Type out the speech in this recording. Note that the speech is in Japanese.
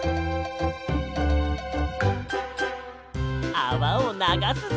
あわをながすぞ！